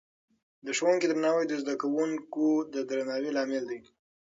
د ښوونکې درناوی د زده کوونکو د درناوي لامل دی.